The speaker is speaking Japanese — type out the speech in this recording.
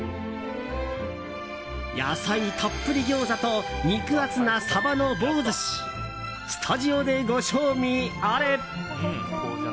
野菜たっぷりギョーザと肉厚なサバの棒寿司スタジオでご賞味あれ！